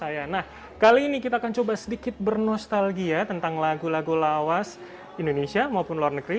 nah kali ini kita akan coba sedikit bernostalgia tentang lagu lagu lawas indonesia maupun luar negeri